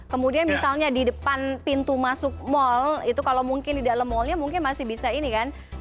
kemudian misalnya di depan pintu masuk mal itu kalau mungkin di dalam mallnya mungkin masih bisa ini kan